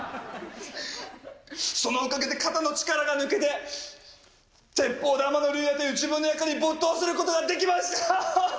そのおかげで肩の力が抜けて鉄砲玉の竜也という自分の役に没頭することができました！